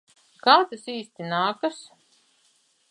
Kā tas īsti nākas?